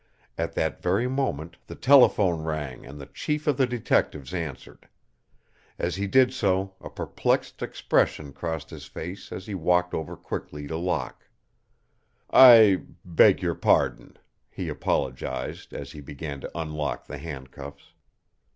At that very moment the telephone rang and the chief of the detectives answered. As he did so a perplexed expression crossed his face and he walked over quickly to Locke. "I beg your pardon," he apologized as he began to unlock the handcuffs.